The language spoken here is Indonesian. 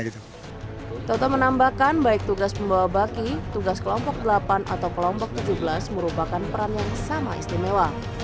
toto menambahkan baik tugas pembawa baki tugas kelompok delapan atau kelompok tujuh belas merupakan peran yang sama istimewa